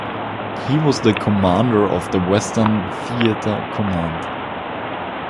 He was the commander of the Western Theater Command.